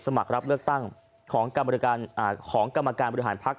สมัครรับเลือกตั้งของกรรมการบริหารพักษ